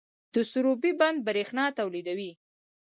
د سروبي بند بریښنا تولیدوي